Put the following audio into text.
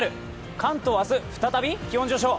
関東明日再び気温上昇。